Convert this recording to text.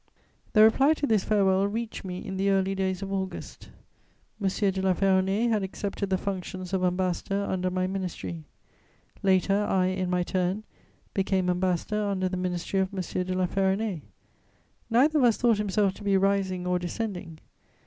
The reply to this farewell reached me in the early days of August. M. de La Ferronnays had accepted the functions of ambassador under my ministry; later, I, in my turn, became ambassador under the ministry of M. de La Ferronnays: neither of us thought himself to be rising or descending.